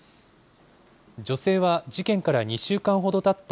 女性は事件から２週間ほどたった